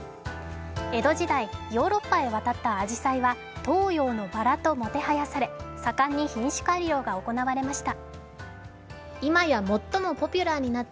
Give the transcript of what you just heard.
江戸時代、ヨーロッパへ渡ったあじさいは東洋のばらともてはやされ盛んに品種改良が行われました。